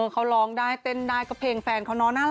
เขาร้องได้เต้นได้กับเพลงแฟนเขาน้อน่ารัก